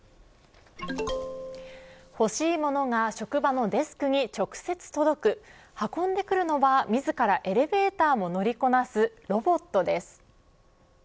欲しいものが職場のデスクに直接届く運んでくるのは自らエレベーターも乗りこなすロボットです。